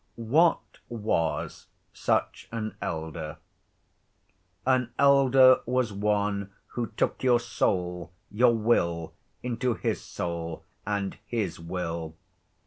What was such an elder? An elder was one who took your soul, your will, into his soul and his will.